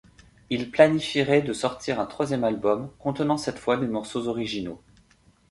Ils planifieraient de sortir un troisième album, contenant cette fois des morceaux originaux.